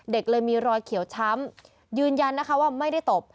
เด็กเลยมีรอยเขียวช้ำยืนยันนะคะว่าไม่ได้ตบ